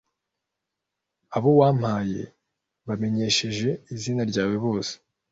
abowampaye mbamenyesheje izina ryawe bose.